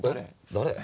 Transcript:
誰？